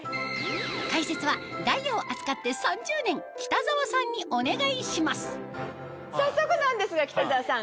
解説はダイヤを扱って３０年北澤さんにお願いします早速なんですが北澤さん